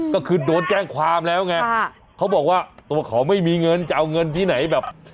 ก็คือโดนแจ้งความแล้วไงเขาบอกว่าตัวเขาไม่มีเงินจะเอาเงินที่ไหนแบบ